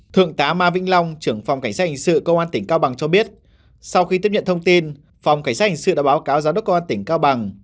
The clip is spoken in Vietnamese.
thượng tá ma vĩnh long trưởng phòng cảnh sát hình sự công an tỉnh cao bằng cho biết sau khi tiếp nhận thông tin phòng cảnh sát hình sự đã báo cáo giám đốc công an tỉnh cao bằng